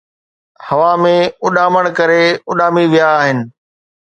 ھوا ۾ اڏامڻ ڪري اُڏامي ويا آھن